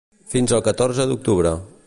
Fins al catorze d’octubre.